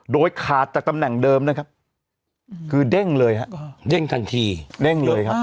โดยขาดจากตำแหน่งเดิมนะครับคือเด้งเลยฮะเด้งทันทีเด้งเลยครับ